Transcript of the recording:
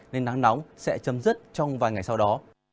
nên nắng nóng sẽ chấm dứt trong vài ngày sau đó